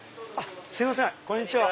すいませんこんにちは。